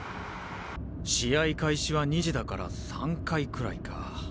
試合開始は２時だから３回くらいか。